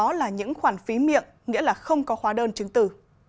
đó là những khoản phí miệng nghĩa là không có hóa đơn chứng tử